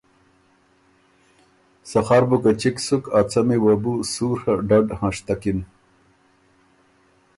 سخر بُو که چِګ سُک ا څمي وه بو سُوڒه ډډ هںشتکِن۔